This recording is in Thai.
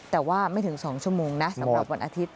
แต่ว่าไม่ถึง๒ชั่วโมงนะสำหรับวันอาทิตย